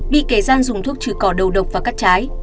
bị kẻ gian dùng thuốc trừ cỏ đầu độc và cắt trái